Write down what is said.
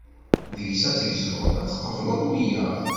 Deg-s ad tegzuḍ, ad tqebleḍ wiyaḍ.